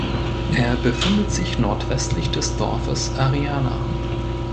Er befindet sich nordwestlich des Dorfes Ariana.